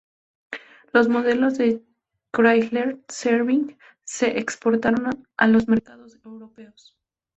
Los modelos de Chrysler Sebring se exportaron a los mercados europeos.